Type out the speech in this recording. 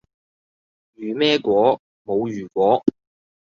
如咩果？冇如果